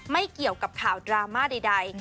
ไม่เกี่ยวกับข่าวดราม่าใด